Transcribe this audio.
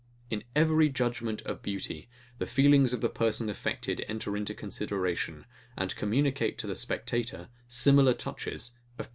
In every judgement of beauty, the feelings of the person affected enter into consideration, and communicate to the spectator similar touches of pain or pleasure.